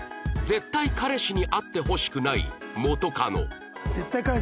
絶対彼氏に会ってほしくない元カノ。